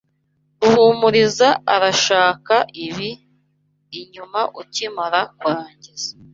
Ruhumuriza arashaka ibi inyuma ukimara kurangiza.